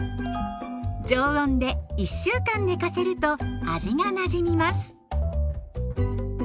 常温で１週間寝かせると味がなじみます。